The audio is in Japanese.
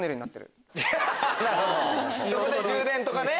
そこで充電とかね！